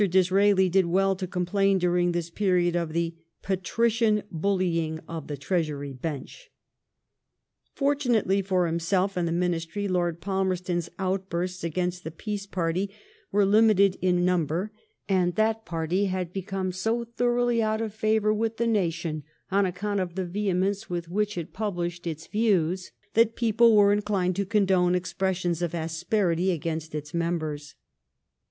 Disraeli did well to complain during this period of the ''patrician bullying of the Treasury bench.'* Fortunately for himself and the Ministry, Lord Fal merston's outbursts against the Peace Party were limited 168 LIFE OF VISCOUNT PALMEB8T0N. in number, and that Party had become so thoroughly out of favour with the nation on account of the vehemence with which it published its views, that people were in clined to condone expressions of asperity against its members.